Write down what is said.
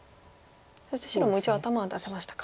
そして白も一応頭は出せましたか。